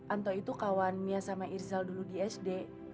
anto itu kawan mia sama irzal dulu di sd